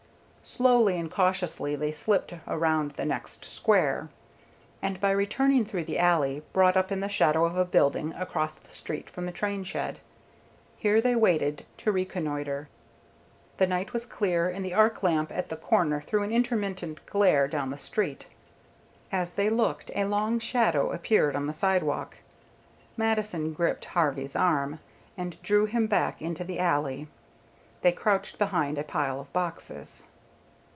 Slowly and cautiously they slipped around the next square, and, by returning through the alley, brought up in the shadow of a building, across the street from the train shed. Here they waited to reconnoitre. The night was clear, and the arc lamp at the corner threw an intermittent glare down the street. As they looked, a long shadow appeared on the sidewalk. Mattison gripped Harvey's arm, and drew him back into the alley. They crouched behind a pile of boxes.